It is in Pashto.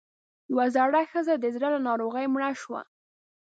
يوه زړه ښځۀ د زړۀ له ناروغۍ مړه شوه